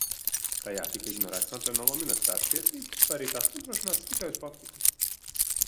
Tajā tika ignorētas nacionālo minoritāšu tiesības vai arī tās nodrošinātas tikai uz papīra.